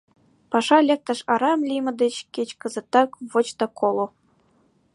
Паша лектыш арам лийме деч кеч кызытак воч да коло.